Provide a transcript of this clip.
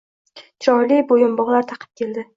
Chiroyli boʻyinbogʻlar taqib keldi.